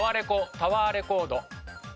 タワーレコード。